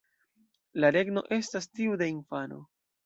La regno estas tiu de infano"".